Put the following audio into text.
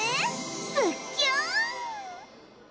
ズッキュン